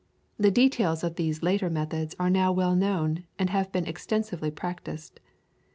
The details of these later methods are now well known, and have been extensively practised.